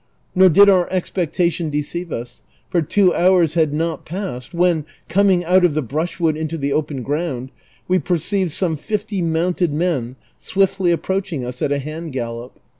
Nor did our expectation de ceive us, for two hours had not passed when, coming out of the brush wood into the open ground, we perceived some fifty mounted men swiftly approaching us at a hand gallop.